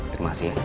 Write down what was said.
terima kasih ya